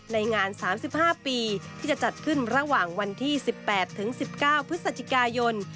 ในงาน๓๕ปีที่จะจัดขึ้นระหว่างวันที่๑๘ถึง๑๙พฤศจิกายน